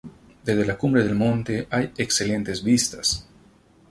Desde la cumbre del monte hay excelentes vistas.